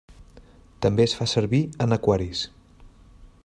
També es fa servir en aquaris.